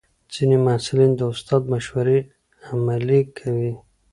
ځینې محصلین د استاد مشورې عملي کوي.